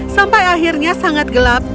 sampai akhirnya sangat gelap